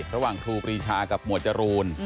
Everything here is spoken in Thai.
ระหว่างทูปรีชากับหมวดจรูน